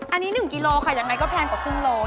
อันนี้๑กิโลบาทค่ะอย่างไรก็แพงกว่าครึ่งโลวาท